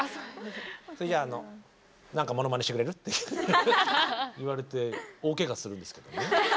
「それじゃあの何かモノマネしてくれる？」って言われて大けがするんですけどね。